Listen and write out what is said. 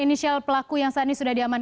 inisial pelaku yang saat ini sudah diamankan